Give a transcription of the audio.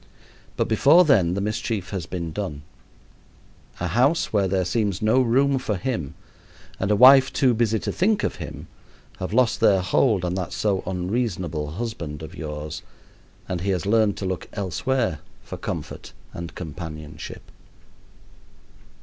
But before then the mischief has been done. A house where there seems no room for him and a wife too busy to think of him have lost their hold on that so unreasonable husband of yours, and he has learned to look elsewhere for comfort and companionship.